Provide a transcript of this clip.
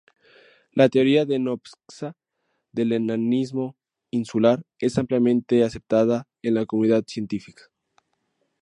La teoría de Nopcsa del enanismo insular es ampliamente aceptada en la comunidad científica.